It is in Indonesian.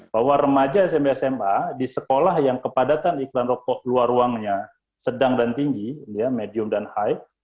bahwa remaja smp sma di sekolah yang kepadatan iklan rokok luar ruangnya sedang dan tinggi medium dan hype